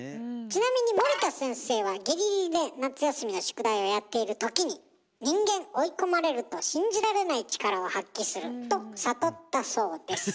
ちなみに森田先生はギリギリで夏休みの宿題をやっているときに「人間追い込まれると信じられない力を発揮する」と悟ったそうです。